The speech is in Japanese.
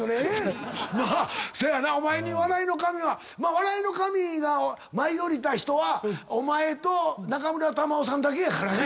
笑いの神が舞い降りた人はお前と中村玉緒さんだけやからね。